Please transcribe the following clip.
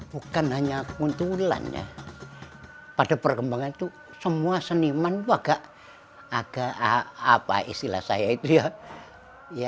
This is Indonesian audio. bukan hanya kuntulan ya pada perkembangan itu semua seniman itu agak agak apa istilah saya itu ya